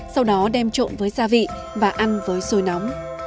sau đó đem trộn với gia vị và ăn với sôi nóng